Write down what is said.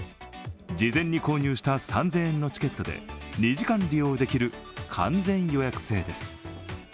事前に購入した３０００円のチケットで２時間利用できる完全予約制です。